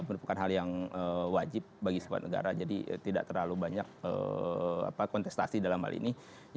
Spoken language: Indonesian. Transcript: merupakan hal yang wajib bagi sebuah negara jadi tidak terlalu banyak kontestasi dalam hal ini